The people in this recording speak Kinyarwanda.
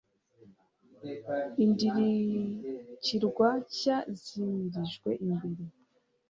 i ndirikirwa nshya zimirijwe imbere